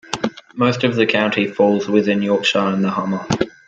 Most of the county falls within Yorkshire and the Humber.